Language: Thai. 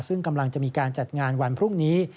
ซึ่งกำลังจะมีการจัดงานวันพรุ่งนี้